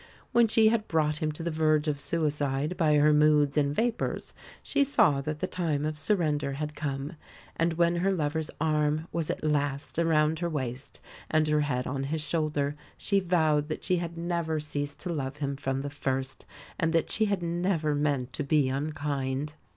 When she had brought him to the verge of suicide by her moods and vapours she saw that the time of surrender had come; and when her lover's arm was at last around her waist and her head on his shoulder, she vowed that she had never ceased to love him from the first, and that she had never meant to be unkind!